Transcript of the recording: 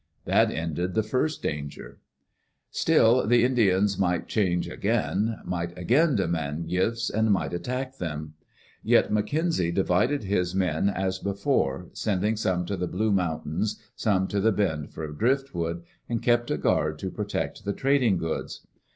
That ended the first danger. Still, the Indians might change again, might again de mand gifts and might attack them. Yet McKenzie divided his men as before, sending some to the Blue Mountains, some to the bend for driftwood, and kept a guard to protect the trading goods.